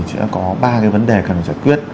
chỉ có ba cái vấn đề cần giải quyết